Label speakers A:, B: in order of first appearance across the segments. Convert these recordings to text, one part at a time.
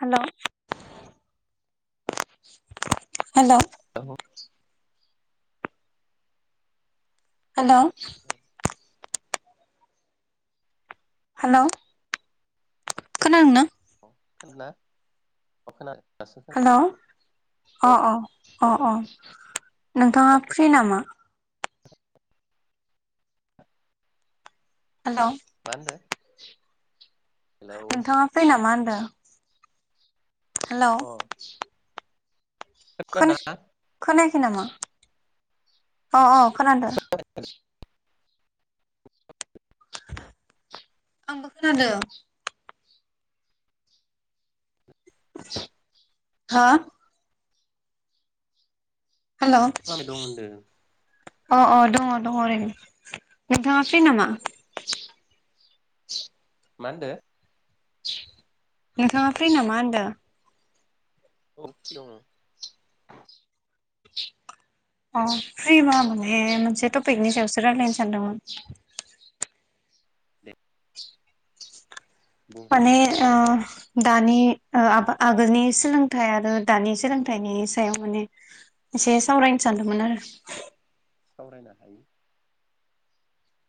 A: होलौ हेलौ
B: औ
A: होलौ
B: औ
A: हेलौ खोनादोंना?
B: खोना अ खोना
A: हेलौ अ अ अ
B: हेलौ
A: अ नोंथाङा
B: दासो
A: फ्रि नामा? हेलौ
B: मा ओनदो?
A: नोंथाङा फ्रि नामा होन दो हेल'
B: अ
A: खनो
B: खोनादोंना मा
A: खनो [unintelligible] नामा अ अ खोनादो। आंबो खोनादों। हो? हेलौ।
B: खालामबाय दं होनदों
A: अ अ दङ दङ ओरैनो। नोंथाङा फ्रि नामा?
B: मा होनदो?
A: नोंथाङा फ्रि नामा होनदो?
B: औ फ्रिआवनो।
A: अ फ्रि मा माने मोनसे टपिकनि सायावसो रायजलायनो सानदोंमोन।
B: दे बुं
A: माने ओ दानि ओ आ-आगोलनि सोलोंथाइ आरो दानि सोलोंथाइनि सायाव माने एसे सावरायनो सानदोंमोन आरो।
B: सावरायनो हायो।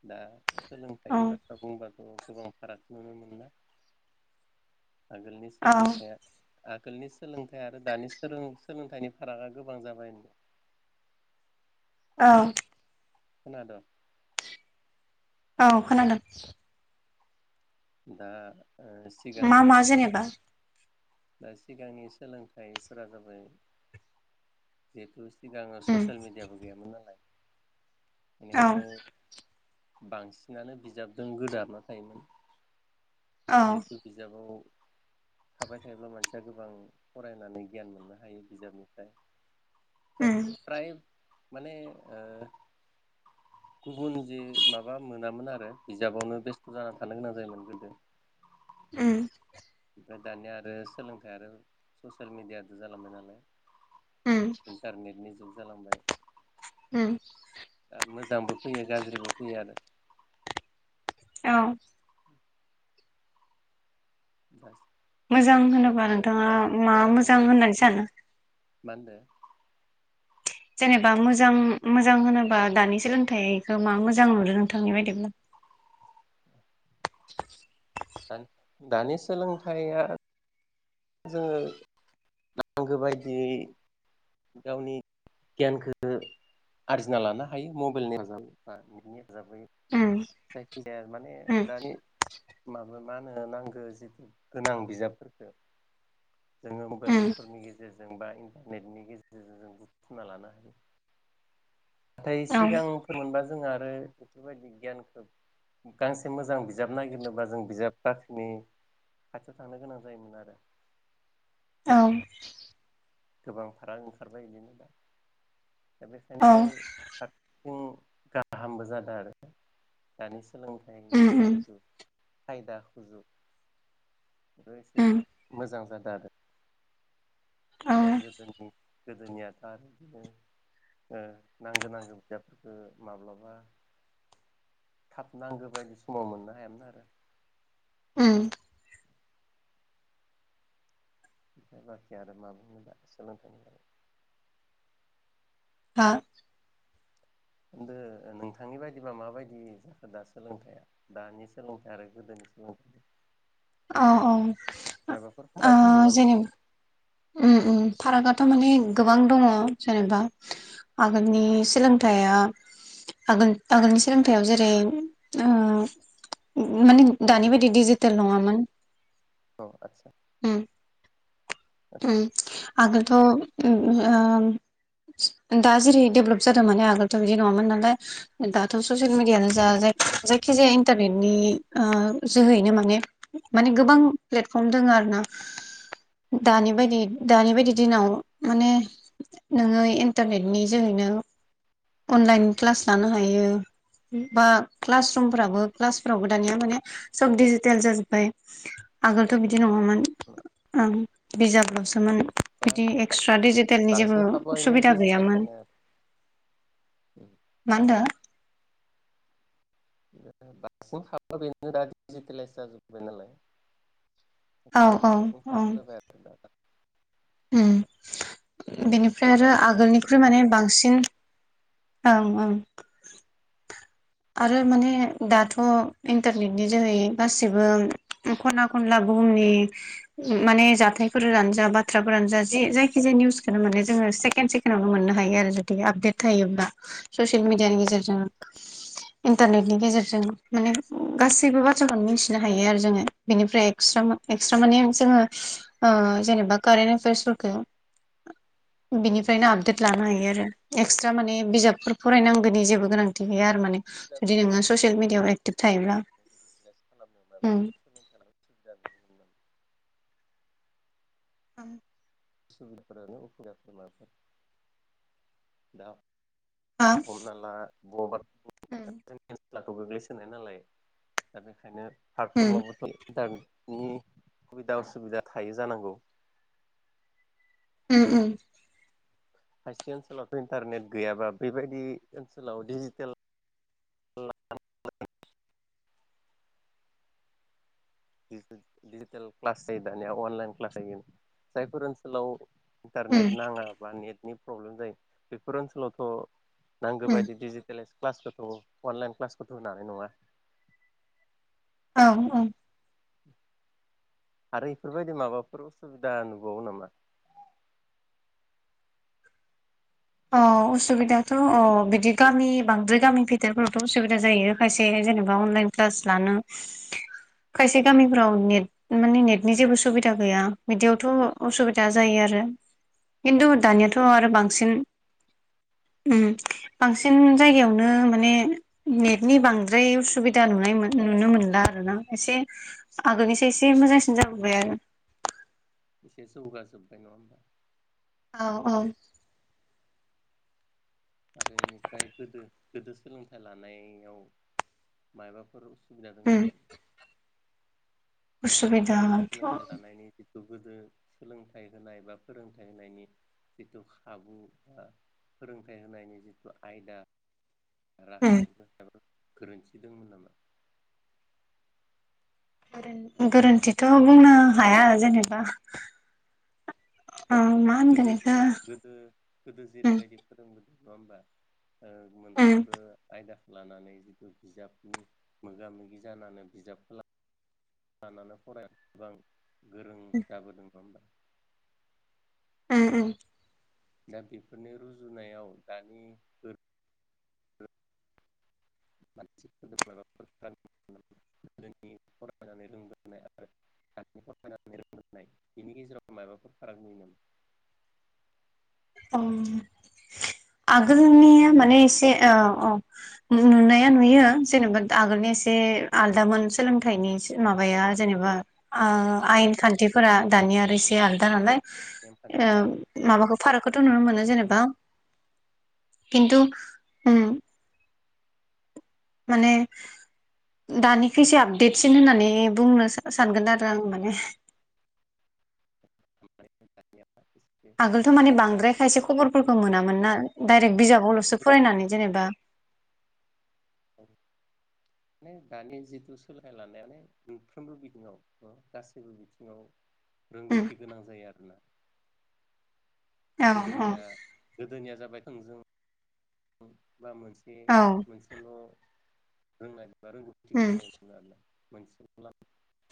B: दा
A: औ
B: सोलोंथाइनि बाथ्रा बुंबाथ' गोबां फारागखौ नुनो मोनो ना। आगोलनि
A: औ
B: सोलोंखाया आगोलनि सोलोंथाइ आरो दानि सोरों-सोलोंथाइनि फारागा गोबां जाबाय।
A: औ।
B: खोनादों?
A: औ खोनादों।
B: दा ओ
A: मा
B: सिगांनि
A: मा
B: सोल
A: जेनेबा?
B: दा सिगांनि सोलोंथाइफोरा जाबाय जिथु सिगांओ
A: उम
B: ससियेल मिडियाबो गैयामोन नालाय
A: औ
B: बेनिखायनो। बांसिनानो बिजाबजों गोदोहाबना थायोमोन।
A: औ
B: जिहेथु बिजाबाव थाबाय थायोब्ला मानसिया गोबां फरायनानै गियान मोननो हायो बिजाबनिफ्राय।
A: उम
B: [unintelligible] प्राइ माने ओ गुबुन जि माबा मोनामोन आरो बिजाबावनो बेस्थ' जाना थानो गोनां जायोमोन गोदो।
A: उम।
B: ओमफ्राय दानिया आरो सोलोंथाइ आरो ससियेल मिडिया जालांबाय नालाय।
A: उम
B: इन्टारनेटनि जुग जालांबाय।
A: उम
B: मोजांबो फैयो गाज्रिबो फैयो आरो।
A: औ
B: [unintelligible]
A: मोजां
B: सोलोंथाइ
A: होनोबा
B: बेफोरबायदि
A: नोंथाङा
B: जालांबाय
A: मा
B: दा
A: मोजां
B: जोंनि
A: होननानै सानो?
B: मा होनदो
A: जेनेबा मोजां मोजां होनोबा दानि सोलोंथाइखौ मा मोजां नुदों नोंथांनि बायदिब्ला
B: दानि दानि सोलोंथाइया जोङो नांगो बायदियै गावनि गियानखो आरजिना लानो हायो मबाइलनि हेफाजाबै बा नेट नि हेफाजाबै
A: उम
B: जायखिजाया माने
A: उम
B: दानि माबा मा होनो नांगौ जिथु गोनां बिजाबफोरखौ जोङो
A: उम
B: मबाइलफोरनि गेजेरजों बा इन्टारनेटनि गे जेरजों बुथुमना लानो हायो नाथाय
A: औ
B: सिगांफोर मोनबा जों आरो बेफोरबायदि गियानखौ गांसे मोजां बिजाब नागिरनोबा जों बिजाब बाख्रिनि खाथियाव थांनो गोनां जायोमोन आरो।
A: औ
B: गोबांफाराग ओंखारबाय बिदिनो दा दा
A: औ
B: बेखायनो [unintelligible] गाहामबो जादों आरो दानि
A: उम
B: सोलोंथाइनि
A: उम
B: जिथु खायदा सुजुग बे एसे
A: उम
B: मोजां जादों आरो।
A: औ
B: [unintelligible] गोदोनि गोदोनियाथ' आरो बिदिनो ओ नांगौ नांगौ बिजाबफोरखौ माब्लाबा थाब नांगौ बायदि समाव मोननो हायामोन आरो।
A: उम
B: [inaudible]
A: हा?
B: होनदो नोंथांनि बायदिब्ला माबायदि जाखो दा सोलोंथाइया दानि सोलोंथाइ आरो गोदोनि सोलोंथाइ
A: औ औ
B: मायबाफोर
A: ओ
B: फाराग मोन नामा
A: जेनेबा ओम ओम फारागआथ' माने गोबां दङ जेनेबा आगोलनि सोलोंथाइया आगोल आगोलनि सोलोंथायाव जेरै ओ ओम माने
B: दे
A: दानि बायदि दिडिजिटेल नङामोन।
B: औ आतसा
A: ओम ओम आगोल थ' ओम ओम दा जेरै डेभेलप जादोंमोन आगोलथ' बिदि नङामोन नालाय दाथ' ससियेल मेडियानो जा जायखिजाया इन्टारनेटनि ओ जोहैनो माने माने गोबां प्लेटफर्म दङ आरो ना दानि बायदि दानि बायदि दिनाव माने नोङो इन्टारनेट नि जोहैनो अनलाइन क्लास लानो हायो बा क्लास रुमफ्राबो क्लासफोरावबो दानिया माने सब डिजिटेल जाजोब्बाय। आगोलथ' बिदि नङामोन। आं बिजाबल'सोमोन
B: दा
A: बिदि एक्सट्रा डिजिटेलनि जेबो
B: बांसिन खाबुआनो
A: सुबिदा
B: डिजिटेल
A: गैयामोन।
B: जानाय आरो
A: मा होन्दो?
B: बांसिम खाबुआ बेनो दा डिजिटेलाइस जाजोबबाय नालाय
A: औ
B: बेखायनो बांनसिन खाबु जाबाय आरो दा
A: ओम बेनिफ्राय
B: आगोलथ'
A: आरो आगोलनिख्रुइ
B: बेफोरबायदि
A: माने
B: गैयामोन ना
A: बांसिन ओं ओं आरो माने दाथ' इन्टारनेटनि जोहै गासिबो ओं ख'ना खनला बुहुमनि ओम माने जाथायफोरानो जा बाथ्राफोरानो जा जि जायखिजाया निउसखौनो माने जोङो सेकेणड सेकेणडआवनो मोननो हायो आरो जुदि आपडेट थायोब्ला ससियेल मेडियानि गेजेरजों इन्टारनेटनि गेजेरजों माने ओम गासैबो बाथ्राखौनो मिथिनो हायो आरो जोङो बेनिफ्राय एक्सट्रा मा एक्सट्रा माने जोङो ओ जेनेबा कारेन्ट एफेयार्सफोरखौ
B: औ
A: बिनिफ्रायनो आपडेट लानो हायो हायो आरो एक्सट्रा माने बिजाबफोर फरायनांगौनि जेबो गोनांथि गैया आरो
B: सुबिदा
A: दि
B: दङ
A: नोङो ससियेल मिडियाआव एक्टिभ थायोब्ला
B: बिजनेस खालामनो
A: उम
B: माबाफोर सोलोंथाइ लानो सुबिदा नुनो मोनो
A: ओं
B: [unintelligible] दा
A: हा
B: हमना ला गबार
A: उम
B: [unintelligible] लाथ' गोग्लैसोनाय नालाय दा बेखायनो
A: उम
B: पार्टफर्मावबोथ' दामि नि सुबिदा उसुबिदा थायो जानांगौ
A: उम‌उम
B: खायसे ओनसोलावथ' इन्टारनेट गैयाबा बेबायदि ओनसोलाव डिजिटेल डिजिटेल क्लास जायो दानिया अनलाइन क्लास जायो जायफोर ओनसोलाव इथार ने
A: उम
B: नांगा बा नेट नि प्रब्लेम जायो बेफोर ओनसोलावथ' नांगौ
A: उम
B: बायदि डिटेलाइस क्लासखोथ' अनलाइन क्लासखौथ' होनाय नङा
A: औ औ
B: आरो इफोरबायदि माबाफोर उसुबिदा नुबावो नामा
A: अ असुबिदाथ' अ बिदि गामि बांद्राय गामि भिथोरफोरावथ' अउसुबिदा जायो खायसे जेनेबा अनलाइन क्लास लानो खायसे गामिफ्राव नेट माने नेटनि जेबो सुबिदा गैया बिदियावथ' उसुबिदा जायो आरो खिन्थु दानियाथ' आरो बांसिन उम बांसिन जायगायावनो माने नेटनि बांद्राय उसुबिदा नुनाय नुनो मोनला आरोना एसे आगोलनिसो एसे मोजांसिन जाबोबाय आरो
B: एसेसो जौगाजोब्बाय नङा होमबा
A: औ औ
B: आरो इनिफ्राय गोदो गोदो सोलोंथाइ लानायाव माइबाफोर सुबबिदा दोंमोनना
A: असुबिदा थ
B: खौ गोदो सोलोंथाइ होनाय बा फोरोंथाइ होनायनि जिथु खाबु बा फोरोंथाइ होनायनि जिथु आयदा
A: उम
B: [unintelligible] खोरोन्थि दंमोन नामा
A: गोरोन गोरोन्थिथ' बुंनो हाया जेनेबा ओ मा होनगोन
B: गोदोबो
A: बेखौ
B: गोदो गोदो
A: उम
B: जेरैबायदि फोरोंबोदों [unintelligible] ओ
A: उम
B: मोनफ्रोमबो आयदा लानानै जिथु बिजाबनि मोगा मोगि जानानै बिजाबखौ लानानै फराय गोबां गोरों जाबोदों ना होमबा
A: उम उम
B: दा बेफोरनि रुजुनायाव दानि [unintelligible]
A: ओं आगोलनिया माने एसे औ नुनाया नुयो जेनेबा आगोलनि एसे आलदामोन सोलोंथाइनि माबाया जेनेबा आयेन खान्थिफोरा [unintelligible]
B: नेमखान्थि
A: ए माबाखौ फारागखौथ' नुनो मोनो जेनेबा खिन्थु माने दानिखो एसे आपडेटसिन होननानै बुंनो सानगोन आरो आं माने
B: दानिया एसे
A: आगोलथ' मानिे बांद्राय खायसे खबरफोरखौ मोनामोन ना डाइरेक्ट बिजाबावल'सो फरायनानै जेनेबा
B: दा माने दानि जिथु सोलाय लानायानो मोनफ्रोमबो बिथिङाव गासैबो बिथिङाव
A: उम
B: रोंगौथि गोनां जायो आरोना
A: औ औ
B: गोदोनिया गोदोनिया जाबाय थोंजों औ बा मोनसे
A: औ
B: मोनसेल' [unintelligible]
A: उम
B: [unintelligible] मोनसे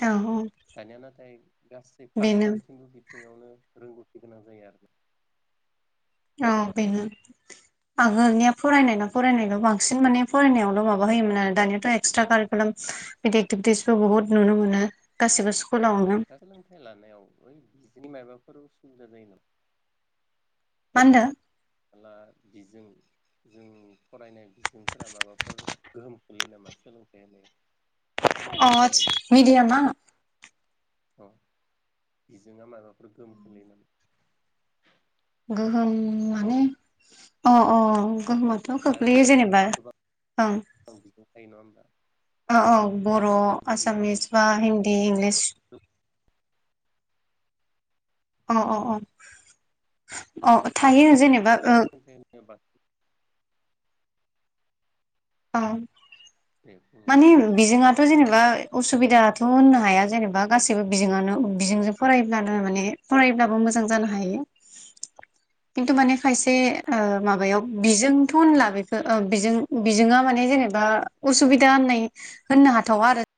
A: औ औ
B: दानिया नाथाय गासै
A: बेनो
B: फारफ्रोमथिं [unintelligible] सिङावनो रोंगौथि गोनां जायो आरो
A: औ बेनो आगोलनिया फरायनाय न फरायनायल' बांसिन माने फरायनायावल' माबा होयोमोन आरो दानियाथ' एक्सट्रा कारिकुलाम बिदि एक्टिभिटिसबो बहुत नुनो मोनो गासिबो सु
B: सोलोंथाइ लानायाव [unintelligible] माबाफोर उसुबिदा जायो नामा
A: मा होन्दो
B: हाला बिजों जों फरायनाय बिजोंफोरा माबाफोर गोहोम ख्लैयो नामा सोलोंथाइ होनाय
A: अ
B: फोरोंथाइ
A: मिडियामआ
B: अ बिजोंआ माबाफोर गोहोम खोलैयो नामा
A: माने अ अ गोहोमावथ' खोख्लैयो जेनेबा औ
B: ओं बिदिनो खायो नङा होमबा?
A: औ औ बर' आसामिस
B: बिजोंजों
A: बा हिन्दी इंलिस अ अ अ अ थायो
B: मोनसे
A: जेनेबा
B: बिजोंजों
A: ओ
B: सोलोंथाइ होनोबा
A: ओं माने बिजिङा थ' जेनेबा असुबिदाथ' होननो हाया जेनेबा गासैबो बिजोङानो बिजोंजों फरायोब्लानो माने फरायोब्लाबो मोजां जानो हायो। खिन्थु माने खायसे ओ माबायाव बिजोंथ' होनला बेखौ ओ बेजों बिजोंआ माने जेनेबा असुबिदा होननाय होननो हाथावा आरो।